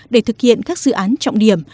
để thực hiện các dự án trọng điểm